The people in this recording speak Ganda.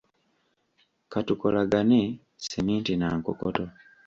Katukolagane sseminti n'ankokoto.